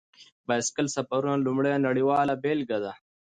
د بایسکل سفرونو لومړنی نړیواله بېلګه دی.